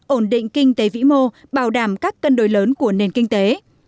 ổn định kinh tế vĩ mô bảo đảm các cân đối lớn của nền kinh tế